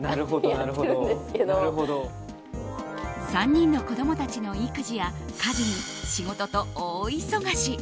３人の子供たちの育児や家事に仕事と大忙し。